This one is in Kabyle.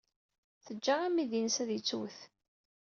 Teǧǧa amidi-nnes ad yettwet.